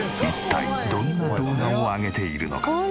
一体どんな動画を上げているのか？